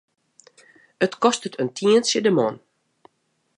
It kostet in tientsje de man.